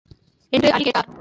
என்று அலி கேட்டார்.